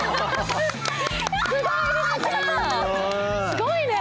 すごいね！